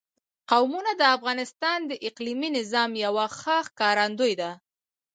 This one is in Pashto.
قومونه د افغانستان د اقلیمي نظام یوه ښه ښکارندوی ده.